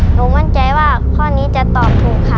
มั่นใจว่าข้อนี้จะตอบถูกค่ะ